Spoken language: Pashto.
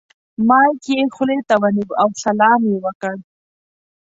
مایک یې خولې ته ونیو او سلام یې وکړ.